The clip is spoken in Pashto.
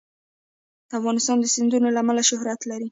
افغانستان د سیندونه له امله شهرت لري.